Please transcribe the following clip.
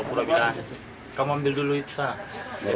saya pura pura bilang kamu ambil dulu itu